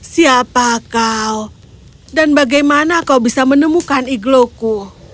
siapa kau dan bagaimana kau bisa menemukan igloku